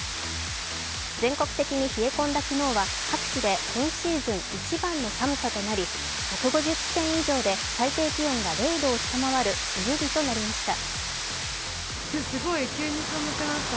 全国的に冷え込んだ昨日は各地で今シーズン一番の寒さとなり１５０地点以上で最低気温が０度を下回る冬日となりました。